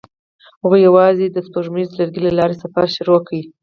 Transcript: هغوی یوځای د سپوږمیز لرګی له لارې سفر پیل کړ.